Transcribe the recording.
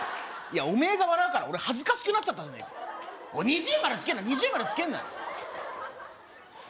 おめえが笑うから俺恥ずかしくなっちゃったじゃねえか二重丸つけんな二重丸つけんなよ